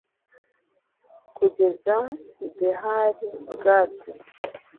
kugeza i behali gadi